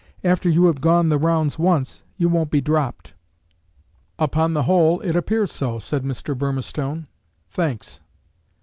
After you have gone the rounds once, you won't be dropped." "Upon the whole, it appears so," said Mr. Burmistone. "Thanks."